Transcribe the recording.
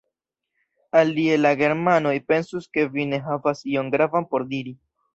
Alie la germanoj pensus ke vi ne havas ion gravan por diri!